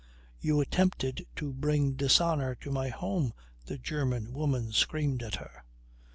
"You attempted to bring dishonour to my home," the German woman screamed at her.